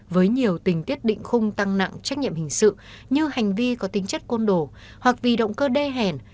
với nhiều tình tiết định khung tăng nặng trách nhiệm hình sự như hành vi có tính chất côn đồ hoặc vì động cơ đê hẻn